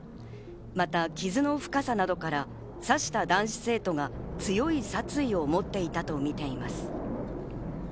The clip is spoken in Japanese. また傷の深さなどから刺した男子生徒が強い殺意を持っていたとみています。